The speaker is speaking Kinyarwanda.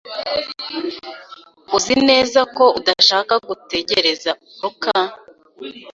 Uzi neza ko udashaka gutegereza Luka?